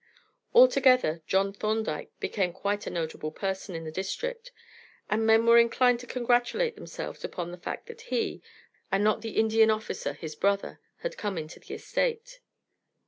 Altogether, John Thorndyke became quite a notable person in the district, and men were inclined to congratulate themselves upon the fact that he, and not the Indian officer, his brother, had come into the estate.